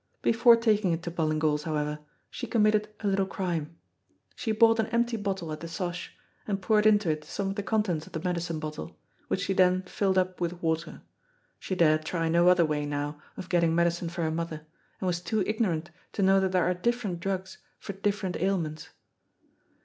Before taking it to Ballingall's, however, she committed a little crime. She bought an empty bottle at the 'Sosh, and poured into it some of the contents of the medicine bottle, which she then filled up with water. She dared try no other way now of getting medicine for her mother, and was too ignorant to know that there are different drugs for different ailments.